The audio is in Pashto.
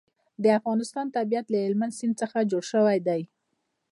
د افغانستان طبیعت له هلمند سیند څخه جوړ شوی دی.